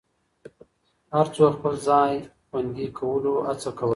هر څوک خپل ځای خوندي کولو هڅه کوله.